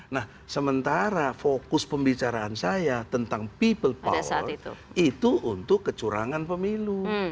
nah sementara fokus pembicaraan saya tentang people power itu untuk kecurangan pemilu